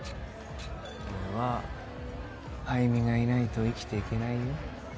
俺はアイミがいないと生きていけないよ